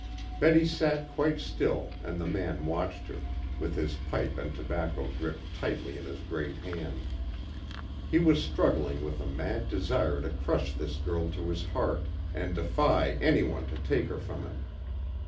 Betty sat quite still and the man watched her, with his pipe and tobacco gripped tightly in his great hand. He was struggling with a mad desire to crush this girl to his heart and defy any one to take her from him.